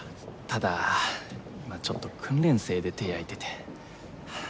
ただ今ちょっと訓練生で手焼いてて。